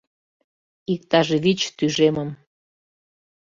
— Иктаж вич тӱжемым.